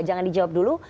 jangan dijawab dulu